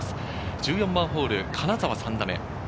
１４番ホール、金澤、３打目。